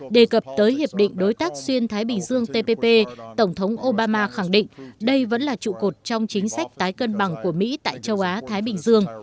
đề cập tới hiệp định đối tác xuyên thái bình dương tpp tổng thống obama khẳng định đây vẫn là trụ cột trong chính sách tái cân bằng của mỹ tại châu á thái bình dương